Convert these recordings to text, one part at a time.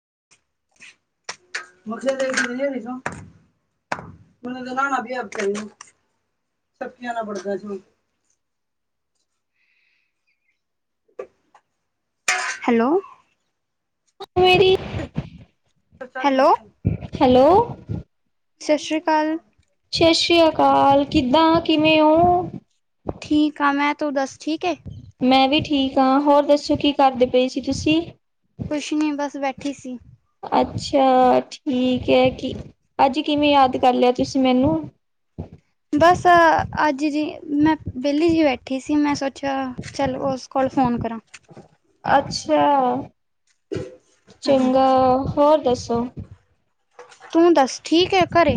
[unintelligible] [inaudible] [unintelligible] ਨਾਲ ਬੜਦਾ [unintelligible] ਹੈਲੋ। ਮੇਰੀ ' hello. Hello. Sat Sri ਅਕਾਲ। ਸਤਿ ਸ੍ਰੀ ਅਕਾਲ ਕਿੱਦਾਂ ਕਿਵੇਂ ਔ? ਠੀਕ ਆ ਮੈਂ ਤੂੰ ਦੱਸ ਠੀਕ ਹੈ ਏ। ਮੈਂ ਵੀ ਠੀਕ ਹਾਂ ਹੋਰ ਦੱਸੋ ਕੀ ਕਰਦੇ ਪਏ ਸੀ ਤੁਸੀਂ? ਕੁਛ ਨੀ ਬਸ ਬੈਠੀ ਸੀ। ਅੱਛਾ ਠੀਕ ਹੈ ਕਿ ਅੱਜ ਕਿਵੇਂ ਯਾਦ ਕਰ ਲਿਆ ਤੁਸੀਂ ਮੈਨੂੰ? ਬਸ ਕੀ ਸੀ ਮੈਂ ਸੋਚਿਆ ਚੱਲ ਉਸ ਕੋਲ ਫੋਨ ਕਰਾਂ। ਅੱਛਾ ਹਾਂ ਚੰਗਾ ਹੋਰ ਦੱਸੋ? ਤੂੰ ਦੱਸ ਠੀਕ ਹੈ ਘਰੇ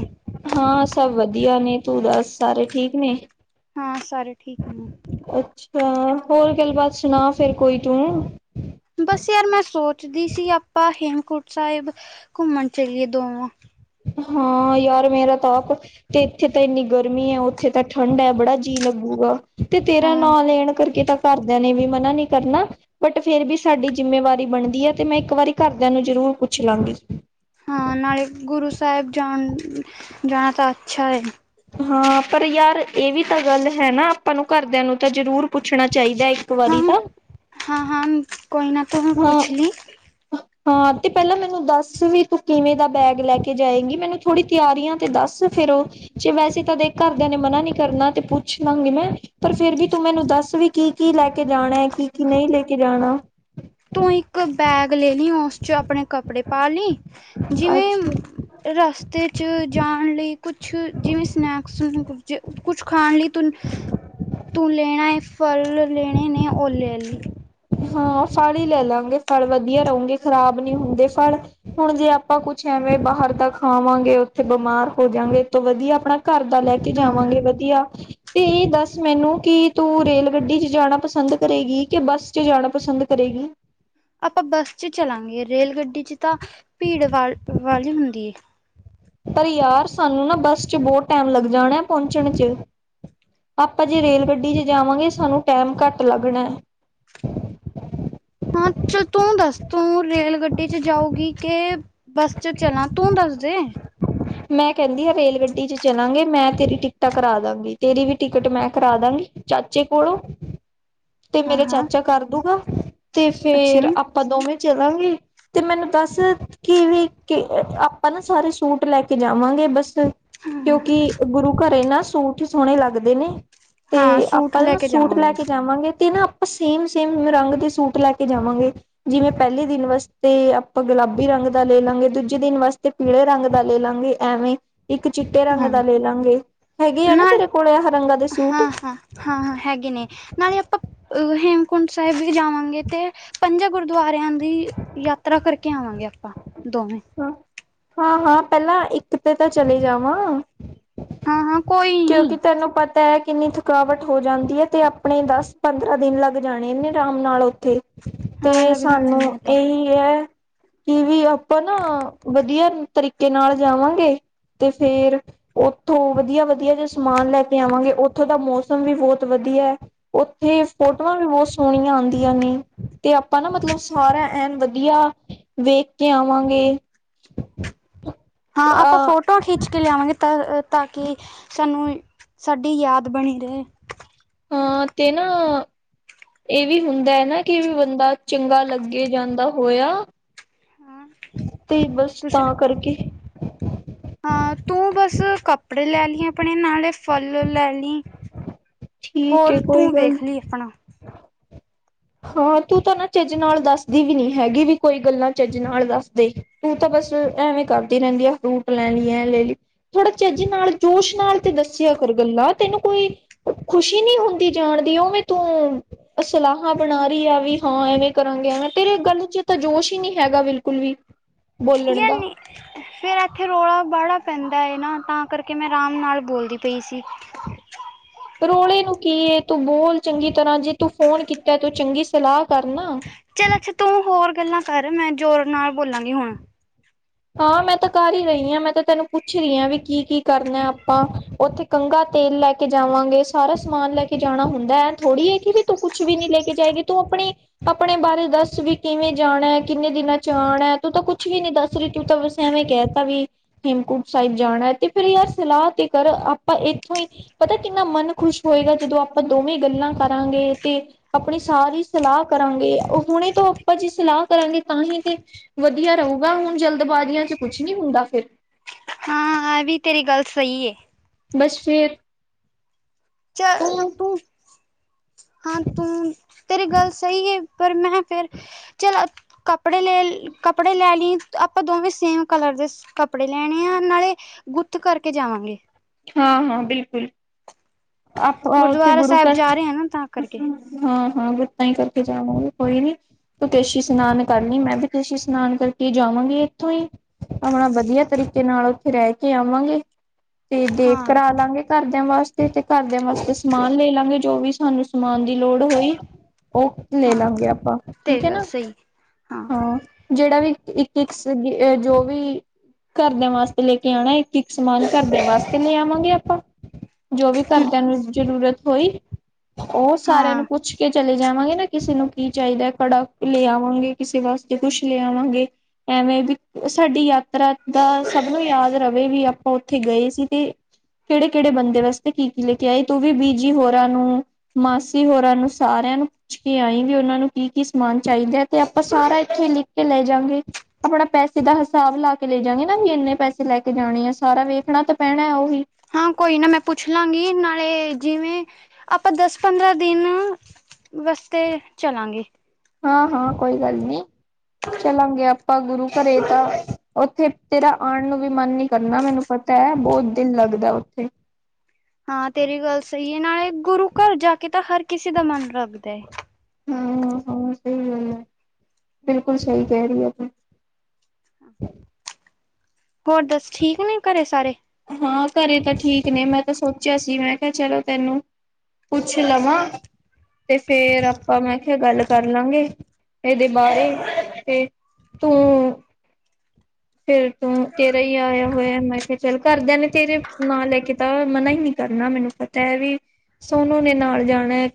ਹਾਂ, ਸਭ ਵਧੀਆ ਨੇ, ਤੂੰ ਦੱਸ ਸਾਰੇ ਠੀਕ ਨੇ? ਹਾਂ ਸਾਰੇ ਠੀਕ ਨੇ। ਤਾਂ ਹੋਰ ਗੱਲਬਾਤ ਸੁਣਾ ਫੇਰ ਕੋਈ ਤੂੰ? ਬਸ ਯਾਰ ਮੈਂ ਸੋਚਦੀ ਸੀ ਆਪਾਂ ਹੇਮਕੁਂਟ ਸਾਹਿਬ ਘੁੰਮਣ ਚਲੀਏ ਦੋਨੋ। ਹਾਂ ਯਾਰ ਮੇਰਾ ਤਾਂ ਆਪ ਤੇ ਇੱਥੇ ਤੇ ਇੰਨੀ ਗਰਮੀ ਹੈ। ਉੱਥੇ ਤਾਂ ਠੰਡਾ ਹੈ। ਬੜਾ ਜੀ ਲੱ ਹੋਉਗਾ ਤੇ ਤੇਰਾ ਹਾਂ ਨਾਂ ਲੈਣ ਕਰਕੇ ਤਾਂ ਘਰਦਿਆਂ ਨੇ ਵੀ। ਮਨਾ ਨਹੀਂ ਕਰਨਾ ਬਟ ਫੇਰ ਵੀ ਸਾਡੀ ਜਿੰਮੇਵਾਰੀ ਬਣਦੀ ਹੈ ਤੇ ਮੈਂ ਇੱਕ ਵਾਰੀ ਘਰਦਿਆਂ ਨੂੰ ਜ਼ਰੂਰ ਪੁੱਛ ਲਾਂਗੀ। ਹਾਂ ਨਾਲੇ ਗੁਰੂ ਸਾਹਿਬ ਜਾਣ ਜਾਣਾ ਤਾਂ ਅੱਛਾ ਹੈ। ਹਾਂ ਪਰ ਯਾਰ ਇਹ ਵੀ ਤਾਂ ਗੱਲ ਹੈ ਨਾ ਆਪਾਂ ਨੂੰ ਘਾਰਦਿਆਂ ਨੂੰ ਤਾਂ ਜ਼ਰੂਰ। ਪੁੱਛਣਾ ਚਾਹੀਦਾ ਇੱਕ ਹਾਂ ਵਾਰੀ ਤਾਂ। ਹਾਂ ਹਾਂ ਕੋਈ ਨਾ ਤੂੰ ਹਾਂ ਪੁੱਛ ਲੀ। ਹਾਂ ਤੇ ਪਹਿਲਾਂ ਮੈਨੂੰ ਦੱਸ ਵੀ ਤੂੰ ਕਿਵੇਂ ਦਾ ਬੈਗ ਲੈ ਕੇ ਜਾਏਂਗੀ? ਮੈਨੂੰ ਥੋੜ੍ਹੀ ਤਿਆਰੀਆਂ ਤੇ ਦੱਸ? ਫੇਰ ਉਹ ਜੇ ਵੈਸੇ ਤਾਂ ਦੇ ਘਰਦਿਆਂ ਨੇ ਮਨਾ ਨੀ ਕਰਨਾ ਤੇ ਪੁੱਛ ਲਾਂਗੀ ਮੈਂ ਪਰ ਫੇਰ ਵੀ ਤੂੰ ਮੈਨੂੰ ਦੱਸ। ਵੀ ਕੀ ਕੀ ਲੈ ਕੇ ਜਾਣਾ ਹੈ ਕੀ ਕੀ ਨਹੀਂ ਲੈ ਕੇ ਜਾਣਾ। ਤੂੰ ਇੱਕ ਬੈਗ ਲੈ। ਲੀ ਉਸ ਚ ਆਪਣੇ ਕੱਪੜੇ ਪਾ ਲਈ ਜਿਵੇਂ ਅੱਛਾ ਸ ਰਸ। ਤੇ ਚ ਜਾਣ ਲਈ ਕੁਛ ਜਿਵੇਂ ਸਨੈਕਸ ਕੁਝ ਕੁਛ ਖਾਣ ਲਈ ਤੂੰ। ਤੂੰ ਲੈਣਾ ਏ ਫਲ ਲੈਣੇ ਨੇ ਉਹ ਲੇਲੀ। ਹਾਂ ਫਲ ਹੀ ਲੈ ਲਾਂਗੇ ਫਲ ਵਧੀਆ ਰਹੁਂਗੇ ਖ਼ਰਾਬ ਨੀ ਹੁੰਦੇ ਫਲ। ਹੁਣ ਜੇ ਆਪਾਂ ਕੁਛ ਐਵੇਂ ਬਾਹਰ ਦਾਅ ਖਾਵਾਂਗੇ, ਉੱਥੇ ਬਮਾਰ ਹੋ ਜਾਂਗੇ ਇਹ ਤੋਂ ਵਧੀਆ ਆਪਣਾ ਘਰ ਦਾ ਲੈ ਕੇ ਹਾਂ ਜਾਵਾਂਗੇ ਹਾਂ ਵਧੀਆ ਤੇ ਇਹ ਦੱਸ ਮੈਨੂੰ ਕਿ ਤੂੰ ਰੇਲ ਗੱਡੀ ਚ ਜਾਣਾ ਪਸੰਦ ਕਰੇਗੀ ਕਿ ਬੱਸ ਚ ਜਾਣਾ ਪਸੰਦ ਕਰੇਗੀ। ਆਪਾਂ ਬੱਸ ਚ ਚਲਾਂਗੇ, ਰੇਲ ਗੱਡੀ ਚ ਤਾਂ ਭੀੜ ਵਾਲ ਵਾਲੀ ਹੁੰਦੀ ਏ। ਪਰ ਯਾਰ ਸਾਨੂੰ ਨਾ ਬੱਸ ਚ ਬਹੁਤ ਟੈਮ ਲੱਗ ਜਾਣਾ ਹੈ ਪਹੁੰਚਣ ਚ ਆਪਾਂ ਜੇ ਰੇਲ ਗੱਡੀ ਚ ਜਾਵਾਂਗੇ ਸਾਨੂੰ ਟੈਮ ਘੱਟ ਲੱਗਣਾ ਐ। [inaudible] ਹਾਂ, ਚਲ ਤੂੰ ਦੱਸ ਤੂੰ ਰੇਲ ਗੱਡੀ ਚ ਜਾਊਗੀ ਕਿ ਬੱਸ ਚ ਚਲਾਂ ਤੂੰ ਦੱਸ ਜੇ ਮੈਂ ਕਹਿੰਦੀ ਆ, ਰੇਲ ਗੱਡੀ ਚ ਚਲਾਂਗੇ ਮੈਂ ਤੇਰੀ ਟਿਕਟਾਂ ਕਰਾ ਦਾਂਗੀ। ਤੇਰੀ ਵੀ ਟਿਕਟ ਮੈਂ ਕਰਾ ਦਾਂਗੀ। ਚਾਚੇ ਕੋਲੋਂ ਤੇ ਹਾਂ ਮੇਰਾ ਹਾਂ ਚਾਚਾ ਕਰ ਦੂਗਾ। ਤੇ ਅੱਛਾ ਫੇਰ ਹਾਂ ਆਪਾਂ ਦੋਵੇਂ ਚਲਾਂਗੇ। ਤੇ ਮੈਨੂੰ ਦੱਸ ਕਿ ਵੀ ਕਿ ਅ ਆਪਾਂ ਨਾ ਸਾਰੇ ਸੂਟ ਲੈ ਕੇ ਜਾਵਾਂਗੇ, ਬਸ ਕਿਉਂਕਿ ਗੁਰੂ ਘਰੇ ਨਾ ਸੂਟ ਸੋਣੇ ਲਾੱਗਦੇ ਨੇ। ਹਾਂ ਤੇ ਸੂਟ ਆਪਾਂ ਲੈ ਨਾ ਕੇ ਸੂਟ ਲੈ ਜਾਵਾਂਗੇ ਕੇ ਜਾਵਾਂਗੇ ਤੇ ਨਾ ਸੇਮ ਸੇਮ ਰੰਗ ਦੇ ਸੂਟ ਲੈ ਕੇ ਜਾਵਾਂਗੇ, ਜਿਵੇਂ ਪਹਿਲੇ ਦਿਨ ਵਸਤੇ ਆਪਾਂ ਗੁਲਾਬੀ ਰੰਗ ਰੰਗ ਦਾ ਲੈ ਲਾਂਗੇ, ਦੂਜੇ ਦਿਨ ਵਾਸਤੇ ਪੀਲੇ ਰੰਗ ਦਾ ਲੈ ਲਾਂਗੇ, ਐਵੇਂ ਇੱਕ ਚਿੱਟੇ ਰੰਗ ਹਾਂ ਦਾ ਲੈ ਲਾਂਗੇ, ਹੈਗੇ ਆ ਨਾ ਨਾਲ ਤੇਰੇ ਕੋਲ ਆ ਰੰਗਾਂ ਦੇ ਸੂਟ ਗੇ ਨੇ ਨਾਲੇ ਆਪਾਂ ਹੇਮ ਕੁੰਟ ਸਾਹਿਬ ਵੀ ਜਾਵਾਂਗੇ ਤੇ ਪੰਜਾਂ ਗੁਰਦੁਆਰਿਆਂ ਦੀ ਯਾਤਰਾ ਕਰਕੇ ਆਵਾਂਗੇ ਆਪਾਂ। ਦੋਵੇਂ। ਹਾਂ-ਹਾਂ, ਪਹਿਲਾਂ ਇੱਕ ਤੇ ਤਾਂ ਚਲੇ ਜਾਵਾਂ। ਹਾਂ ਹਾਂ ਕੋਈ ਕਿਉਂਕਿ ਨੀ ਤੈਨੂੰ ਪਤਾ ਐ। ਕਿੰਨੀ ਥਕਾਵਟ ਹੋ ਜਾਂਦੀ ਏ ਤੇ ਆਪਣੇ ਦਸ-ਪੰਦਰਾਂ ਦਿਨ ਲੱਗ ਜਾਣੇੇ ਆਰਾਮ ਨਾਲ ਉੱਥੇ। ਹਾਂ ਤੇ ਲੱਗ ਜਾਣੇ ਸਾਨੂੰ ਨੇ ਤਾਂ ਇਹੀ ਏ ਕਿ ਵੀ ਆਪਾਂ ਨਾ ਵਧੀਆ ਤਰੀਕੇ ਨਾਲ ਜਾਵਾਂਗੇ। ਤੇ ਫੇਰ ਉੱਥੋਂ ਵਧੀਆ ਵਧ ਵਧੀਆ ਜਹਾ ਸਮਾਨ ਲੈ ਕੇ ਆਵਾਂਗੇ, ਉੱਥੋਂ ਦਾ ਮੌਸਮ ਵੀ ਬਹੁਤ ਵਧੀਆ ਹੈ। ਉੱਥੇ ਫੋਟੋਆਂ ਵੀ ਬਹੁਤ ਸੋਹਣੀਆਂ ਆਦੀਆਂ ਨੇ ਤੇ ਆਪਾਂ ਨਾ ਮਤਲਬ ਸਾਰਾ ਐਨ ਵਧੀਆ ਵੇਖ ਕੇ ਆਵਾਂਗੇ। ਤੇ [inaudible] ਹਾਂ ਆਪਾਂ ਫੋਟੋ ਖਿੱਚ ਕੇ ਲਿਆਵਾਂਗੇ ਤਾਂ ਤਾਂ ਕਿ ਸਾਨੂੰ ਸਾਡੀ ਯਾਦ ਬਣੀ ਰਹੇ। ਹਾਂ ਤੇ ਨਾ ਇਹ ਵੀ ਹੁੰਦਾ ਹੈ ਨਾ ਕਿ ਬੰਦਾ ਚੰਗਾ ਲੱਗੇ ਜਾਂਦਾ ਹੋਇਆ। ਹਾਂ ਤੇ ਬਸ ਤੁਸੀਂ ਤਾਂ ਕਰਕੇ ਹਾਂ ਤੂੰ ਬਸ ਕੱਪੜੇ ਲੈ ਲਈ ਆਪਣੇ, ਨਾਲੇ ਫਲ ਲੈ ਲਈ ਠੀਕ ਹੋਰ ਹੈ ਕੋਈ ਤੂੰ ਗੱਲ ਵੇਖ ਲਈ ਆਪਣਾ ਹਾਂ ਤੂੰ ਤਾਂ ਨਾ ਚੱਜ ਨਾਲ ਦੱਸਦੀ ਵੀ ਨੀ ਹੈਗੀ ਵੀ ਕੋਈ ਗੱਲਾਂ ਚੱਜ ਨਾਲ ਦੱਸਦੇ, ਤੂੰ ਤਾਂ ਬ ਸ ਐਵੇਂ ਕਰਦੀ ਰਹਿੰਦੀ ਹੈ ਫਰੂਟ ਲੈ ਲਈ, ਐ ਲੈ ਲਈ ਥੋੜਾ ਝੱਜ ਨਾਲ, ਜੋਸ਼ ਨਾਲ ਤੇ ਦੱਸਿਆ ਫਰ ਗੱਲਾਂ ਤੈਨੂੰ ਕੋਈ ਖੁਸ਼ੀ ਨਹੀਂ ਹੁੰਦੀ ਜਾਣ ਦੀ, ਉਹਵੇਂ ਤੂੰ ਅਸਲਾਹ ਬਣਾ ਰਹੀ ਆ ਵੀ, ਹਾਂ ਐਵੇਂ ਕਰਾਂਗੇ, ਐਵੇਂ ਤੇਰੇ ਗੱਲ ਚ ਤਾਂ ਜੋਸ਼ ਹੀ ਨਹੀਂ ਹੈਗਾ, ਬਿਲਕੁਲ ਵੀ ਬੋਲਣ ਯਾਰ ਦਾ ਨਹੀਂ, ਫਿਰ ਇੱਥੇ ਰੌਲਾ ਬੜਾ ਪੈਂਦਾ ਏ ਨਾ ਤਾਂ ਕਰਕੇ ਮੈਂ ਆਰਾਮ ਨਾਲ ਬੋਲਦੀ ਪਈ ਸੀ। ਰੋਲੇ ਨੂੰ ਕੀ ਤੂੰ ਬੋਲ ਚੰਗੀ ਤਰ੍ਹਾਂ, ਜੇ ਤੂੰ ਫੋਨ ਕੀਤਾ ਤੂੰ ਚੰਗੀ ਸਲਾਹ ਕਰਨਾ ਚੱਲ ਅੱਛਾ, ਤੂੰ ਹੋਰ ਗੱਲਾਂ ਕਰ ਮੈਂ ਜ਼ੋਰ ਨਾਲ ਬੋਲਾਂਗੀ ਹੁਣ ਹਾਂ ਮੈਂ ਤਾਂ ਕਰ ਹੀ ਰਹੀ ਹਾਂ। ਮੈਂ ਤਾਂ ਤੈਨੂੰ ਪੁੱਛ ਰਹੀ ਹਾਂ ਵੀ ਕੀ-ਕੀ ਕਰਨਾ ਆਪਾਂ ਉੱਥੇ ਕੰਗ ਤੇਲ ਲੈ ਕੇ ਜਾਵਾਂਗੇ, ਸਾਰਾ ਸਮਾਨ ਲੈ ਕੇ ਜਾਣਾ ਹੁੰਦਾ, ਐ ਥੋੜੀ ਕਿ ਵੀ ਤੂੰ ਕੁੱਛ ਵੀ ਨੀ ਲੈ ਕੇ ਜਾਏਗੀ ਤੂੰ ਆਪਣੀ ਆਪਣੇ ਬਾਰੇ ਦੱਸ ਵੀ ਕਿਵੇਂ ਜਾਣਾ, ਕਿੰਨੇ ਦਿਨਾਂ ਚ ਆਣਾ। ਤੂੰ ਤਾਂ ਕੁਛ ਵੀ ਨੀ ਦੱਸ ਰਹੀ, ਤੂੰ ਤਾਂ ਵੈਸੇ ਐਵੇਂ ਕਹਿ ਤਾ ਵੀ ਹੇਮਕੂਟ ਸਾਹਿਬ ਜਾਣਾ ਤੇ ਫੇਰ ਯਾਰ ਸਲਾਹ ਤੇ ਕਰ ਆਪਾਂ ਇੱਥੋਂ ਹੀ ਪਤਾ ਕਿੰਨਾ ਮਨ ਖੁਸ਼ ਹੋਏਗਾ ਜਦੋਂ ਆਪਾਂ ਦੋਵੇਂ ਗੱਲਾਂ ਕਰਾਂਗੇ ਤੇ ਆਪਣੀ ਸਾਰੀ ਸਲਾਹ ਕਰਾਂਗੇ ਹੁਣੇ ਤੋਂ ਆਪਾਂ ਜੀ ਸਲਾਹ ਕਰਾਂਗੇ ਤਾਂ ਹੀ ਤੇ ਵਧੀਆ ਰੂਗਾ ਹੁਣ ਜਲਦਬਾਜ਼ੀਆਂ 'ਚ ਕੁਛ ਨੀ ਹੁੰਦਾ ਫਿਰ ਹਾਂ ਵੀ ਤੇਰੀ ਗੱਲ ਸਹੀ ਏ। ਬਸ ਚ ਤੂੰ ਹਾਂ, ਤੂੰ ਤੇਰੀ ਗੱਲ ਸਹੀ ਹੈ, ਪਰ ਮੈਂ ਫੇਰ ਚਲ ਕ ਕੱਪੜੇ ਲੈ ਕੱਪੜੇ ਲੈ ਲਈ ਆਪਾਂ ਦੋਵੇਂ ਸੇਮ ਕਲਰ ਦੇ ਕੱਪੜੇ ਲੈਣੇ ਆ, ਨਾਲੇ ਗੁੱਤ ਕਰਕੇ ਜਾਵਾਂਗੇ। ਹਾਂ -ਹਾਂ, ਬਿਲਕੁਲ। ਆਪ ਉੱਥੇ ਗੁਰਦੁਆਰਾ ਗੁਰੂ ਸਾਹਿਬ ਘਰ, ਜਾ ਰਹੇ ਆ ਨਾ ਤਾਂ ਕਰਕੇ ਹਾਂ -ਹਾਂ। ਤਾਂਹੀ ਕਰਕੇ ਜਾਵਾਂਗੇ। ਕੋਈ ਨੀ, ਤੂੰ ਕੇਸ਼ੀ ਇਸ਼ਨਾਨ ਕਰਲੀ। ਮੈਂ ਵੀ ਕੇਸ਼ੀ ਇਸ਼ਨਾਨ ਕਰਕੇ ਜਾਵਾਂਗੀ। ਇੱਥੋਂ ਹੀ ਆਪਣਾ ਵਧੀਆ ਤਰੀਕੇ ਨਾਲ ਉੱਥੇ ਰਹਿ ਕੇ ਆਵਾਂਗੇ। [unintelligible] ਤੇ ਦੇਗ ਹਾਂ ਕਰਾ ਲਾਂਗੇ ਘਰਦਿਆਂ ਵਾਸਤੇ ਤੇ ਘਰਦਿਆਂ ਵਾਸਤੇ ਸਮਾਨ ਲੈ ਲਾਂਗੇ ਜੋ ਵੀ ਸਾਨੂੰ ਸਮਾਨ ਦੀ ਲੋੜ ਹੋਈ। ਉਹ ਲੈ ਹਾਂ ਲਾਂਗੇ ਆਪਾਂ, ਠੀਕ ਤੇਰੀ ਹੈ ਗੱਲ ਨਾ ਸਹੀ ਹਾਂ। ਜਿਹੜਾ ਵੀ ਇੱਕ -ਇੱਕ ਸੇਗਾ। ਜੋ ਵੀ ਘਰਦਿਆਂ ਵਾਸਤੇ ਲੈਕੇ ਆਉਣਾ। ਇੱਕ -ਇੱਕ ਸਮਾਨ ਘਰਦ ਵਾਸਤੇ ਕੇ ਲੈ ਆਵਾਂਗੇ ਆਪਾਂ। ਜੋ ਵੀ ਘਰ ਦਿਆ ਨੂੰ ਜ਼ਰੂਰਤ ਹੋਈ ਉਹ ਸਾਰਿਆਂ ਨੂੰ ਹਾਂ ਪੁੱਛ ਕੇ ਚਲੇ ਜਾਵਾਂਗੇ ਨਾ। ਕਿਸੇ ਨੂੰ ਕਿ ਚਾਹੀਦਾ ਹੈ? ਕੜਾ ਲਿਆਵਾਂਗੇ, ਕਿਸੇ ਵਾਸਤੇ ਕੁੱਛ ਲਿਆਵਾਂਗੇ, ਐਵੇਂ ਵੀ ਸਾਡੀ ਯਾਤਰਾ ਦਾ ਸਭ ਨੂੰ ਯਾਦ ਰਵੇ ਵੀ ਆਪਾਂ ਉੱਥੇ ਗਏ ਸੀ। ਤੇ ਕਿਹੜੇ- ਕਿਹੜੇ ਬੰਦੇ ਵਾਸਤੇ ਕਿ -ਕਿ ਲੈ ਕੇ ਆਏ। ਤੂੰ ਵੀ ਬੀਜੀ ਹੋਰਾਂ ਨੂੰ, ਮਾਸੀ ਹੋਰਾਂ ਨੂੰ, ਸਾਰਿਆਂ ਨੂੰ ਪੁੱਛ ਕੇ ਆਈ ਵੀ ਉਹਨਾਂ ਨੂੰ, ਕਿ -ਕਿ ਸਮਾਨ ਚਾਹੀਦਾ ਹੈ? ਤੇ ਆਪਾਂ ਸਾਰਾ ਇੱਥੇ ਲਿਖ ਕੇ ਲੈ ਜਾਗੇ। ਆਪਣਾ ਪੈਸੇ ਦਾ ਹਿਸਾਬ ਲਾ ਕੇ ਲੈ ਜਾਗੇ ਨਾ ਵੀ ਇੰਨੇ ਪੈਸੇ ਲੈ ਕੇ ਜਾਣੇ ਆ। ਸਾਰਾ ਵੇਖਣਾ ਤਾਂ ਪੈਣਾ ਉਹੀ ਹਾਂ, ਕੋਈ ਨਾ ਮੈਂ ਪੁੱਛ ਲਾਂਗੀ ਨਾਲੇ ਜਿਵੇਂ ਆਪਾਂ ਦਸ -ਪੰਦਰਾਂ ਦਿਨ ਵਾਸਤੇ ਚਲਾਂਗੇ। ਹਾਂ- ਹਾਂ, ਕੋਈ ਗੱਲ ਨੀ। ਚਲਾਂਗੇ ਆਪਾਂ ਗੁਰੂ ਘਰੇ ਤਾਂ ਉੱਥੇ ਤੇਰਾ ਆਉਣ ਨੂੰ ਵੀ ਮਨ ਨੀ ਕਰਨਾ ਮੈਨੂੰ ਪਤਾ ਬਹੁਤ ਦਿਲ ਲਗਦਾ ਉੱਥੇ। [inaudible] ਹਾਂ, ਤੇਰੀ ਗੱਲ ਸਹੀ ਹੈ। ਨਾਲੇ ਗੁਰੂ ਘਰ ਜਾ ਕੇ ਤਾਂ ਹਰ ਕਿਸੇ ਦਾ ਮਨ ਲੱਗਦਾ ਹੈ। ਹੂ -ਹੂ -ਹੂ! ਸਹੀ ਗੱਲ ਬਿਲਕੁਲ ਸਹੀ ਕਹਿ ਰਹੀ ਹੈ। [inaudible] ਹੋਰ ਦੱਸ, ਠੀਕ ਨੇ ਘਰੇ ਸਾਰੇ? ਹਾਂ ਘਰੇ ਤਾਂ ਠੀਕ ਨੇ। ਮੈਂ ਤਾਂ ਸੋਚਿਆ ਸੀ। ਮੈਂ ਕਿਹਾ ਚਲੋ ਤੈਨੂੰ ਪੁੱਛ ਲਵਾਂ। ਤੇ ਫੇਰ ਆਪਾਂ ਮੈਂ ਕਿਹਾ ਗੱਲ ਕਰ ਲਾਂਗੇ ਇਹਦੇ ਬਾਰੇ ਤੇ ਤੂੰ। ਫੇਰ ਤੂੰ ਤੇਰਾ ਹੀ ਆਇਆ ਹੋਇਆ। ਮੈਂ ਕਿਹਾ, ਚੱਲ ਘਰਦਿਆਂ ਨੇ ਤੇਰੇ ਨਾਂ ਨਹੀਂ ਕੀਤਾ। ਮਨਾ ਹੀ ਨੀ ਕਰਨਾ ਮੈਨੂੰ ਪਤਾ ਹੈ ਵੀ ਸੋਨੂੰ ਨੇ ਨਾਲ ਜਾਣਾ ਹੈ।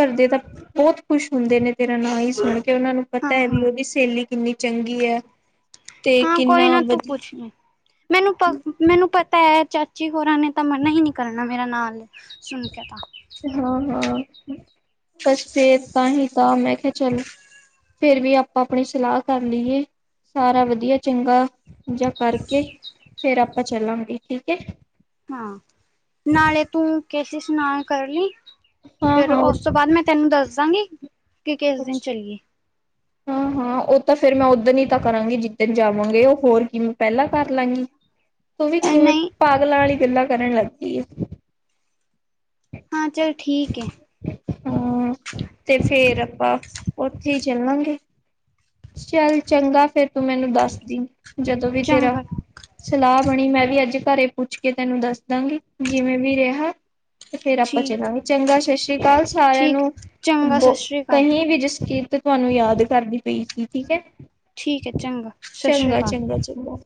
ਘਰਦੇ ਤਾਂ ਬਹੁਤ ਖੁਸ਼ ਹੁੰਦੇ ਨੇ। ਤੇਰਾ ਨਾਂ ਸੁਣ ਕੇ ਤੇ ਉਹਨਾ ਨੂੰ ਹਾਂ ਪਤਾ ਹੈ। ਵੀ ਹਾਂ ਉਹਦੀ ਸਹੇਲੀ ਕਿੰਨੀ ਚੰਗੀ ਹੈ। ਤੇ, ਹਾਂ ਕਿੰਨਾ ਕੋਈ ਨਾ ਤੂੰ ਵਧੀ- ਪੁੱਛ ਲਈ ਮੈਨੂੰ ਪ, ਮੈਨੂੰ ਪਤਾ ਹੈ। ਚਾਚੀ ਹੋਰਾਂ ਨੇ ਤਾਂ ਮਰਨਾ ਹੀ ਨਹੀਂ ਕਰਨਾ। ਮੇਰਾ ਨਾਂ ਸੁਣ ਕੇ ਤਾਂ ਹਾਂ -ਹਾਂ, ਬਸ ਫੇਰ ਤਾਂ ਹੀ ਤਾਂ। ਮੈਂ ਕਿਹਾ ਚੱਲ ਫੇਰ ਵੀ ਆਪਾਂ ਆਪਣੀ ਸਲਾਹ ਕਰ ਲਈਏ। ਸਾਰਾ ਵਧੀਆ ਚੰਗਾ ਜ ਕਰਕੇ। ਫੇਰ ਆਪਾਂ ਚੱਲਾਂਗੇ। ਠੀਕ ਹੈ? ਕੇਸੀ ਸਨਾਨ ਕਰ ਲਈ। ਹਾਂ ਫੇਰ ਹਾਂ ਉਸ ਤੋਂ ਬਾਅਦ ਮੈਂ ਤੈਨੂੰ ਦੱਸ ਦਾਂਗੀ ਕਿ, ਕਿਸ ਦਿਨ ਚੱਲੀਏ। ਹਾਂ! ਉਹ ਤਾਂ ਫੇਿਰ ਮੈਂ ਉਦਣ ਹੀ ਤਾਂ ਕਰਾਂਗੀ। ਜਿੱਦਣ ਜਾਵਾਂਗੇ। ਉਹ ਹੋਰ ਕਿ ਪਹਿਲਾਂ ਕਰ ਲਾਂਗੀ। ਤੂੰ ਵੀ ਕਿਵੇਂ, ਨਹੀਂ ਪਾਗਲਾਂ ਵਾਲੀ ਗੱਲਾਂ ਕਰਨ ਲੱਗ ਗਈ ਏ। ਹਾਂ! ਚਲ ਠੀਕ ਹੈ। ਹਮ। ਤੇ ਫੇਰ ਆਪਾਂ, ਉੱਥੇ ਹੀ ਚੱਲਾਂਗੇ। ਚੱਲ ਚੰਗਾ। ਫੇਰ ਤੂੰ ਮੈਨੂੰ ਦੱਸਦੀ। ਜਦੋਂ ਵੀ ਤੇਰਾ ਚੰਗਾ ਸਲਾਹ ਬਣੀ। ਮੈਂ ਵੀ ਐਥੇ। ਘਰੇ ਪੁੱਛ ਕੇ ਤੈਨੂੰ ਦੱਸ ਦਾਂਗੀ। ਜਿਵੇਂ ਵੀ ਰਿਹਾ! ਤੇ ਫੇਰ ਆਪਾਂ ਠੀਕ ਚਲਾਾਂਗੇ। ਚੰਗਾ ਸ਼ਸ਼। ਸਾਰਿਆਂ ਠੀਕ ਨੂੰ। ਚੰਗਾ ਸਤਿ ਸ਼੍ਰੀ ਅਕਾਲ ਕਹੀ ਵੀ, ਜਸਕੀਰਤ ਤੁਹਾਨੂੰ ਯਾਦ ਕਰਦੀ ਪਈ ਸੀ। ਠੀਕ ਹੈ। ਠੀਕ ਹੈ ਚੰਗਾ ਸਤਿ ਸ਼੍ਰੀ ਚੰਗਾ ਅਕਾਲ ਚੰਗਾ ਚੰਗਾ।